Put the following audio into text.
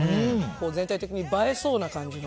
全体的に映えそうな感じの。